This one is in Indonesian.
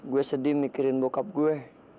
gue sedih mikirin bokap gue